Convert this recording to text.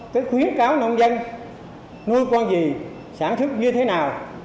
cái khuyến cáo nông dân nuôi con gì sản xuất như thế nào